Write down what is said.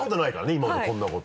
今までこんなこと。